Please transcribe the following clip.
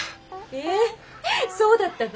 へえそうだったの？